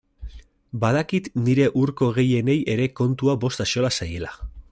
Badakit nire hurko gehienei ere kontua bost axola zaiela.